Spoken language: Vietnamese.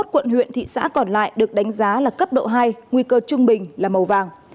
hai mươi quận huyện thị xã còn lại được đánh giá là cấp độ hai nguy cơ trung bình là màu vàng